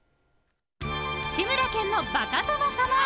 「志村けんのバカ殿様」。